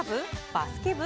バスケ部？